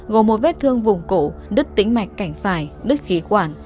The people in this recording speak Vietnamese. gồm một vết thương vùng cổ đứt tĩnh mạch cảnh phải đứt khí quản